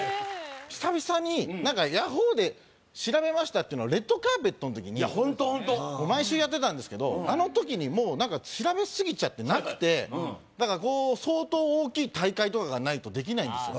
久々にヤホーで調べましたっていうのを「レッドカーペット」の時にいやホントホント毎週やってたんですけどあの時にもう調べ過ぎちゃってなくてだから相当大きい大会とかがないとできないんですよ